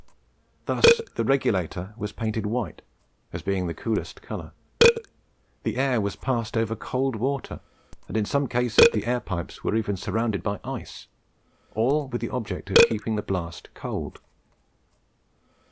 Thus the regulator was painted white, as being the coolest colour; the air was passed over cold water, and in some cases the air pipes were even surrounded by ice, all with the object of keeping the blast cold.